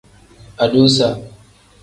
Adusa.